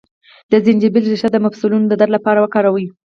د زنجبیل ریښه د مفصلونو د درد لپاره وکاروئ